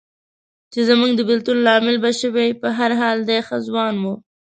چې زموږ د بېلتون لامل به شوې، په هر حال دی ښه ځوان و.